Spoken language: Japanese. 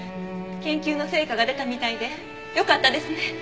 研究の成果が出たみたいでよかったですね！